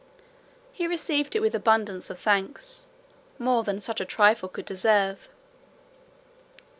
He received it with abundance of thanks, more than such a trifle could deserve.